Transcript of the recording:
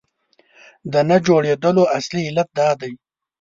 د نه جوړېدلو اصلي علت دا دی.